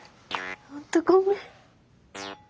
本当ごめん。